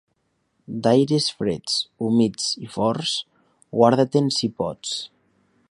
D'aires freds, humits i forts, guarda-te'n si pots.